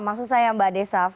maksud saya mbak desaf